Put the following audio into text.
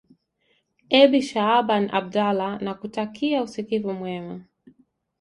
ebi shaaban abdallah nakutakia usikivu mwema